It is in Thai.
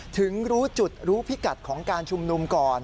ถึงรู้จุดรู้พิกัดของการชุมนุมก่อน